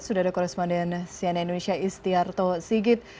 sudah ada korespondensi dari indonesia istiarto sigit